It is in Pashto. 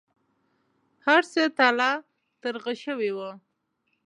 هرڅه تالا ترغه شوي و.